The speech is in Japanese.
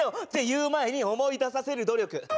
言う前に思い出させる努力。